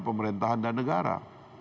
pemerintahan dan negara